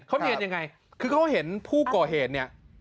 เค้าเห็นผู้ก่อเหตุเนี่ย